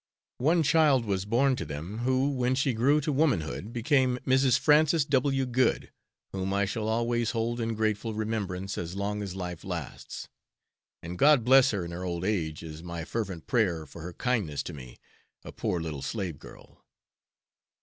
One child was born to them, who, when she grew to womanhood, became Mrs. Francis W. Goode, whom I shall always hold in grateful remembrance as long as life lasts, and God bless her in her old age, is my fervent prayer for her kindness to me, a poor little slave girl!